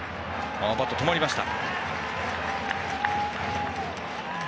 バットは止まりました。